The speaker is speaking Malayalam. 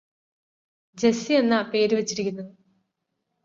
ജെസ്സി എന്നാ പേര് വച്ചിരിക്കുന്നത്